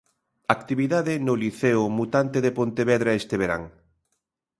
Actividade no Liceo Mutante de Pontevedra este verán.